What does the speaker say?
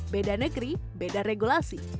beda negeri beda regulasi